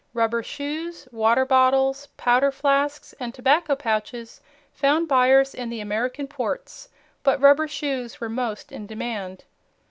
Rubber shoes, water bottles, powder flasks, and tobacco pouches found buyers in the American ports, but rubber shoes were most in demand.